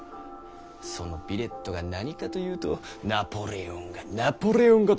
そのヴィレットが何かと言うと「ナポレオンがナポレオンが」と威張りくさる。